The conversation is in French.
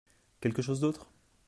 Quelque chose d’autre ?